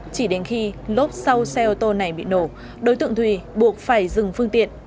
chỉ đến khi lốp sau xe ô tô này bị nổ đối tượng thùy buộc phải dừng phương tiện